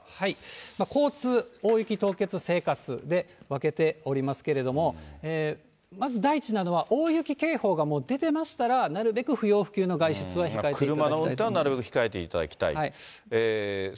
交通、大雪・凍結、生活で分けておりますけれども、まず大事なのは、大雪警報が出ていましたら、なるべく不要不急の外出は控えていただきたいと思います。